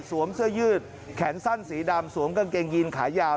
เสื้อยืดแขนสั้นสีดำสวมกางเกงยีนขายาว